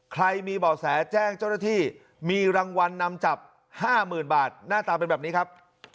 ใครมีบ่อแสแจ้งเจ้าหน้าที่มีรางวัลนำจับ๕๐๐๐บาทหน้าตาเป็นแบบนี้ครับ